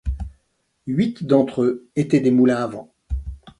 Huit d'entre eux étaient des moulins à vent.